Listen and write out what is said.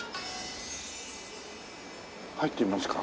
入ってみますか。